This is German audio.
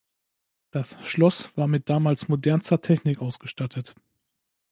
Das „Schloss“ war mit damals modernster Technik ausgestattet.